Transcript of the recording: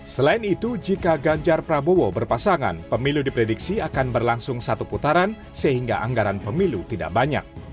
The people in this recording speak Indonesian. selain itu jika ganjar prabowo berpasangan pemilu diprediksi akan berlangsung satu putaran sehingga anggaran pemilu tidak banyak